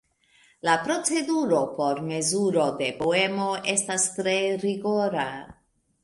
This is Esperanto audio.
La proceduro por mezuro de poemo estas tre rigora.